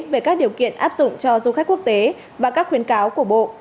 về các điều kiện áp dụng cho du khách quốc tế và các khuyến cáo của bộ